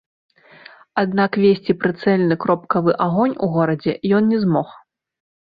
Аднак весці прыцэльны кропкавы агонь у горадзе ён не змог.